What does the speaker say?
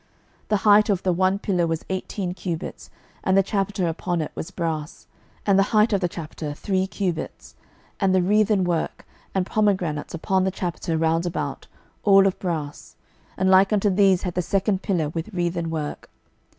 12:025:017 The height of the one pillar was eighteen cubits, and the chapiter upon it was brass: and the height of the chapiter three cubits; and the wreathen work, and pomegranates upon the chapiter round about, all of brass: and like unto these had the second pillar with wreathen work.